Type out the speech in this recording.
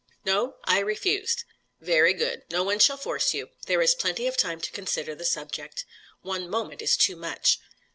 "No. I refused." "Very good. No one shall force you; there is plenty of time to consider the subject." "One moment is too much."